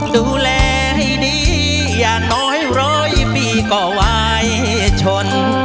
ดูแลให้ดีอย่างน้อยร้อยปีก็ไว้ชน